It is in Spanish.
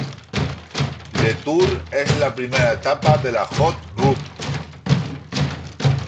Le Tour es la primera etapa de la Haute Route.